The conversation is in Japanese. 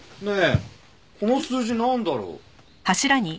この数字なんだろう？